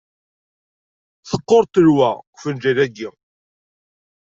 Teqqur ttelwa deg ufenǧal-ayi.